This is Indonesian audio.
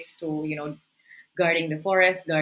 terdiri dari mengelola hutan